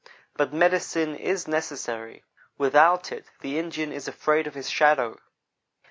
But "medicine" is necessary; without it, the Indian is afraid of his shadow.